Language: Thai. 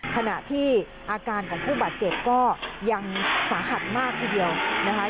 ขณะที่อาการของผู้บาดเจ็บก็ยังสาหัสมากทีเดียวนะคะ